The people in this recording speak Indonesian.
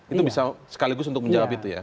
itu bisa sekaligus untuk menjawab itu ya